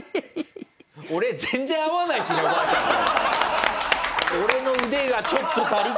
俺全然合わないっすねおばあちゃんと。